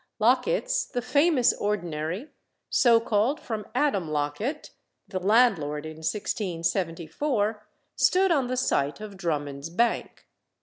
Locket's, the famous ordinary, so called from Adam Locket, the landlord in 1674, stood on the site of Drummond's bank.